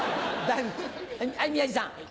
はい宮治さん。